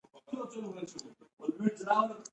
افغانستان د کندهار په برخه کې نړیوال شهرت لري.